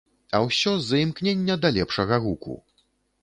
А ўсё з-за імкнення да лепшага гуку.